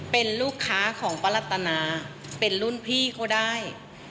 เป็นลูกค้าของประรัตนาเป็นรุ่นพี่เขาได้